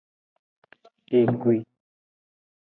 Egui.